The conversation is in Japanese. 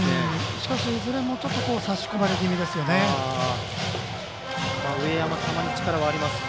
しかしいずれも差し込まれ気味ですよね。